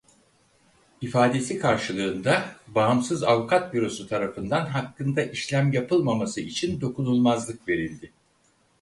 İfadesi karşılığında Bağımsız Avukat Bürosu tarafından hakkında işlem yapılmaması için dokunulmazlık verildi.